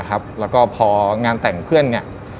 แล้วก็พองานแต่งเพื่อนเนี่ย